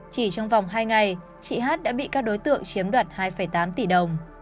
chỉ trong vòng hai ngày chị hát đã bị các đối tượng chiếm đoạt hai tám tỷ đồng